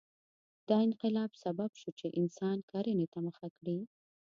دا انقلاب سبب شو چې انسان کرنې ته مخه کړي.